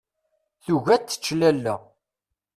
Tugi ad tečč lalla.